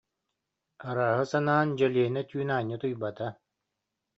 Арааһы санаан Дьэлиэнэ түүн аанньа утуйбата